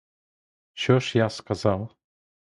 Що ж я сказав?